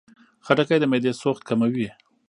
خټکی د معدې سوخت کموي.